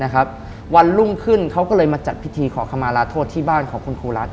วันรุ่งขึ้นเขาก็เลยมาจัดพิธีขอขมาลาโทษที่บ้านของคุณครูรัฐ